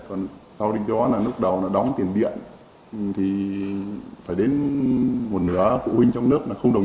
còn sau đến đó là lúc đầu nó đóng tiền điện thì phải đến một nửa phụ huynh trong nước mà không đồng ý